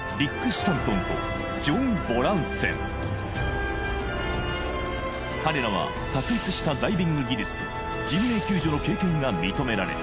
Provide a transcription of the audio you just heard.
・スタントンとジョン・ヴォランセン彼らは卓越したダイビング技術と人命救助の経験が認められ